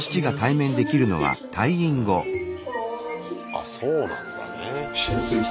あそうなんだね。